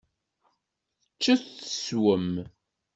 Ččet teswem.